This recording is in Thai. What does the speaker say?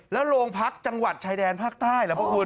แล้วโรงพักจังหวัดชายแดนภาคใต้เหรอพวกคุณ